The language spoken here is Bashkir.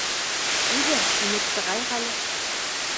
— Әйҙә, инеп сығайыҡ әле.